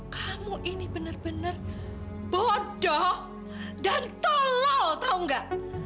kamu ini benar benar bodoh dan tolol tahu tidak